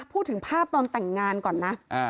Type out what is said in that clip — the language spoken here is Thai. พูดถึงภาพตอนแต่งงานก่อนนะ